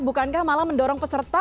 bukankah malah mendorong peserta